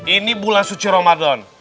ini bulan suci ramadan